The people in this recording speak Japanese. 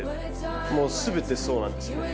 もう全てそうなんですね。